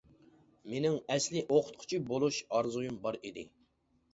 مېنىڭ ئەسلى ئوقۇتقۇچى بولۇش ئارزۇيۇم بار ئىدى.